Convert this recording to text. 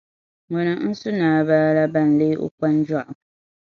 Ŋuni n-su naabaala ban lee o kpanjɔɣu.